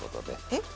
えっ？